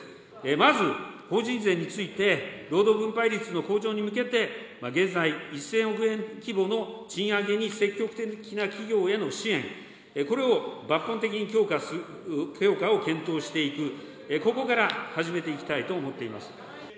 まず法人税について、労働分配率の向上に向けて、現在、１０００億円規模の賃上げに積極的な企業への支援、これを抜本的に強化する、検討していく、ここから始めていきたいと思っています。